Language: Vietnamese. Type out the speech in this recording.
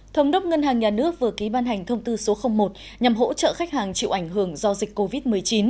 thống đốc ngân hàng nhà nước vừa ký ban hành thông tư số một nhằm hỗ trợ khách hàng chịu ảnh hưởng do dịch covid một mươi chín